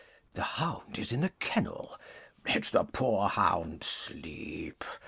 The hound is in the kennel; Let the poor hound sleep!